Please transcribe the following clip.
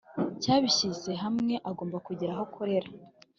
Cy abishyizehamwe agomba kugira aho akorera